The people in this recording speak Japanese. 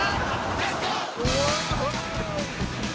うわ！